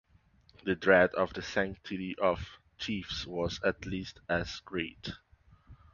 The dread of the sanctity of chiefs was at least as great.